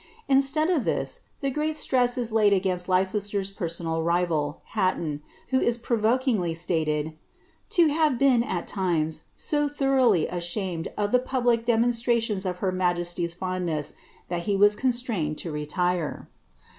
Instead of this, the great stress is laid against Leicester's penwal rival, Hatton, who is provokingly stated ^to have been, at tines, so thoroughly ashamed of the public demonstrations of her BHJesty^s fondness, that he was constrained to retire.''